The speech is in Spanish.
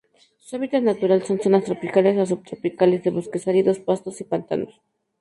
Su hábitat natural son: zonas tropicales o subtropicales, de bosques áridos, pastos y pantanos.